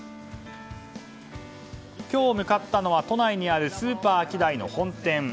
今日向かったのは都内にあるスーパーアキダイの本店。